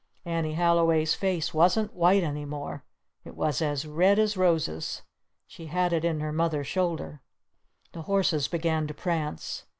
Annie Halliway's face wasn't white any more. It was as red as roses. She had it in her Mother's shoulder. The horses began to prance.